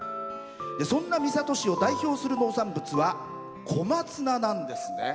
そんな三郷市を代表する農産物は小松菜なんですね。